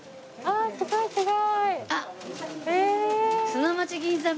わあすごい！